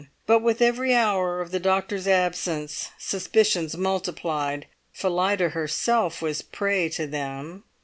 But with every hour of the doctor's absence suspicions multiplied. Phillida herself was a prey to them.